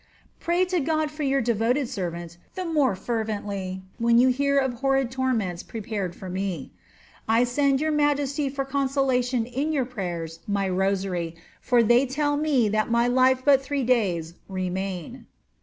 Pray to God for your devoted servant, the more fervently when you hear of horrid torments prepared for me. '* I send your majesty for consolation in your prayers my rosary, for they tell me that of my life but three days remain.'